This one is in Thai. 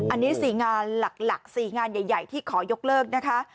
อันนี้๔งานหลัก๔งานใหญ่ที่ขอยกเลิกนะคะ